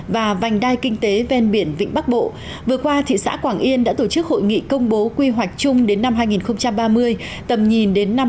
và vành đai kinh tế ven biển vịnh bắc bộ vừa qua thị xã quảng yên đã tổ chức hội nghị công bố quy hoạch chung đến năm hai nghìn ba mươi tầm nhìn đến năm hai nghìn năm mươi